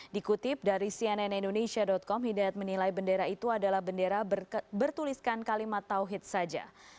dikutip dari cnn indonesia com hidayat menilai bendera itu adalah bendera bertuliskan kalimat tawhid saja